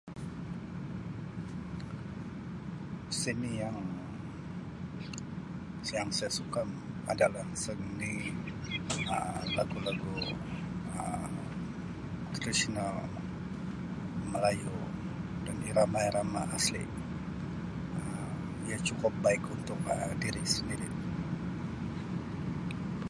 Seni yang-yang saya suka adalah seni Um lagu-lagu Um tradisional melayu dan irama-irama asli. Um Ia cukup baik untuk Um diri sendiri.